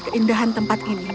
keindahan tempat ini